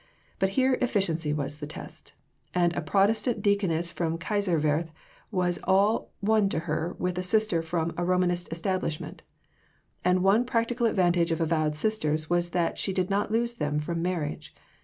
But here efficiency was the test, and a Protestant Deaconess from Kaiserswerth was all one to her with a Sister from "a Romanist establishment." And one practical advantage of vowed Sisters was that she did not lose them from marriage.